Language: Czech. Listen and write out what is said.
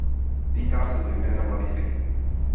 Týká se zejména mladých lidí.